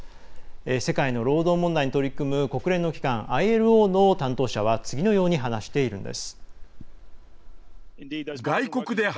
世界の労働問題に取り組む国連の機関ＩＬＯの担当者は次のように話しています。